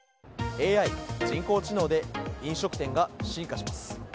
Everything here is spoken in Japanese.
ＡＩ・人工知能で飲食店が進化します。